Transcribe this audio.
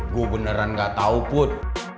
gue beneran gak tahu put